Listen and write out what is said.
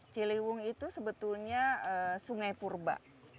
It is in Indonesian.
ciliwung itu sebetulnya sungai purba